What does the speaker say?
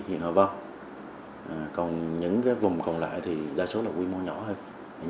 thì họ vào còn những vùng còn lại thì đa số là quy mô nhỏ hơn